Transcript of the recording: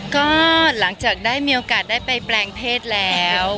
ก็หลังจากได้มีโอกาสได้ไปแปลงเพศแล้ว